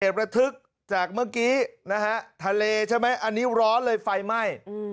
ประทึกจากเมื่อกี้นะฮะทะเลใช่ไหมอันนี้ร้อนเลยไฟไหม้